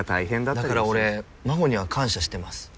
だから俺真帆には感謝してます。